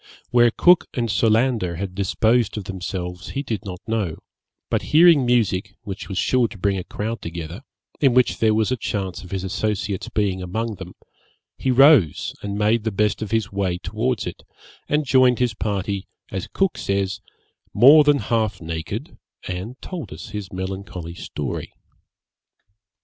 Where Cook and Solander had disposed of themselves he did not know; but hearing music, which was sure to bring a crowd together, in which there was a chance of his associates being among them, he rose, and made the best of his way towards it, and joined his party, as Cook says, 'more than half naked, and told us his melancholy story.'